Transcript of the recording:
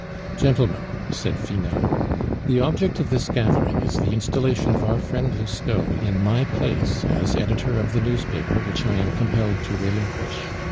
"Gentlemen," said Finot, "the object of this gathering is the installation of our friend Lousteau in my place as editor of the newspaper which I am compelled to relinquish.